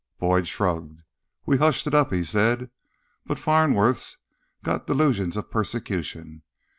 Boyd shrugged "We hushed it up," he said. "But Farnsworth's got delusions of persecution.